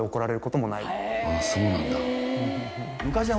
あぁそうなんだ。